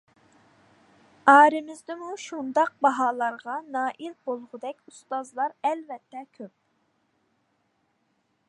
ئارىمىزدىمۇ شۇنداق باھالارغا نائىل بولغۇدەك ئۇستازلار ئەلۋەتتە كۆپ.